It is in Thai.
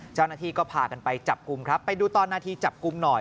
เจ้าหน้าที่ก็พากันไปจับกลุ่มครับไปดูตอนนาทีจับกลุ่มหน่อย